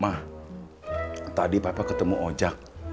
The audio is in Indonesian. mah tadi papa ketemu ojak